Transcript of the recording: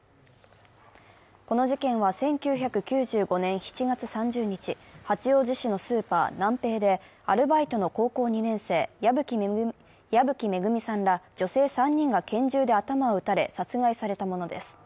この事件は１９９５年７月３０日、八王子市のスーパー、ナンペイでアルバイトの高校２年生、矢吹恵さんら女性３人が拳銃で頭を撃たれ殺害されたものです。